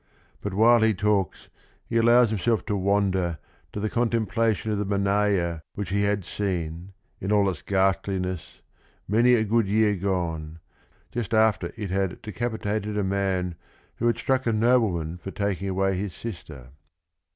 But while he talks he allows himself to wander to the contemplation of the Mannaia which he had seen, in all its ghastliness "many a good year gone," just after it had decapitated a man who had struck a nobleman for taking away his sister.